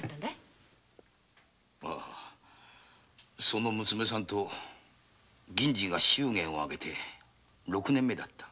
その娘さんと銀次が祝言を挙げて六年目だった。